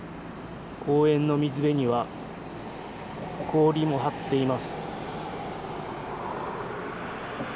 公園の水辺には氷も張っています。